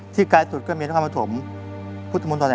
ที่ใกล้ต่อก็มีอาจจะคำอธิบทปุรูลตะไห้ฮา